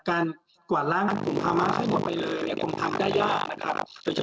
การกว่าร้างภูมิภามากให้กลับไปเลยอย่างที่ผมทำได้ยากนะครับ